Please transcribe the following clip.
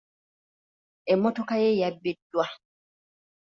Emmotoka ye yabbiddwa.